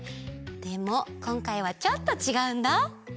でもこんかいはちょっとちがうんだ。